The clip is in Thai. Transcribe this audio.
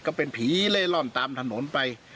ก็เป็นผีเล่ร่อนตามถนนไป